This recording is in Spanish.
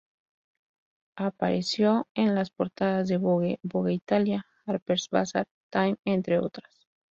Apareció en las portadas de "Vogue", "Vogue Italia", "Harper's Bazaar", "Time", entre otras.